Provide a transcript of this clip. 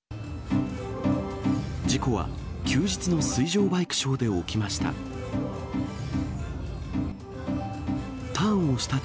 事故は休日の水上バイクショーで起きました。